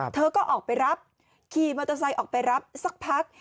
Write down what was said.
เธอก็ออกไปรับขี่มอเตอร์ไซค์ออกไปรับสักพัก